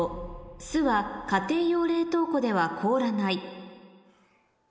「酢は家庭用冷凍庫では凍らない」